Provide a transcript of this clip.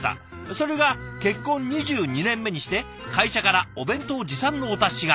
それが結婚２２年目にして会社からお弁当持参のお達しが」。